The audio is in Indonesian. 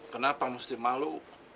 kenapa mesti malu